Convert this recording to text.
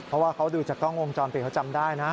เพราะว่าเขาดูจากกล้องวงจรปิดเขาจำได้นะ